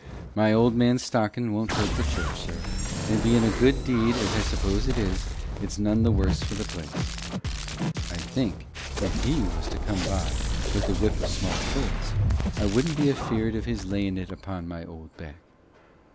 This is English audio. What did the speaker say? My old man's stockin' won't hurt the church, sir, and, bein' a good deed as I suppose it is, it's none the worse for the place. I think, if He was to come by wi' the whip o' small cords, I wouldn't be afeared of his layin' it upo' my old back.